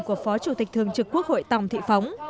của phó chủ tịch thường trực quốc hội tòng thị phóng